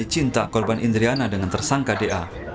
cinta korban indriana dengan tersangka da